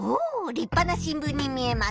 りっぱな新聞に見えます。